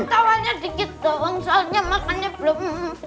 tawanya dikit dong soalnya makannya belum